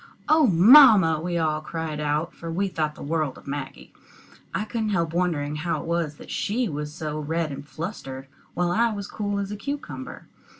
"Oh, mamma!" we all cried out, for we thought the world of Maggie. I couldn't help wondering how it was she was so red and flustered, while I was as cool as a cucumber.